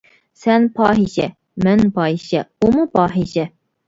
سەن پاھىشە، مەن پاھىشە، ئۇمۇ پاھىشە.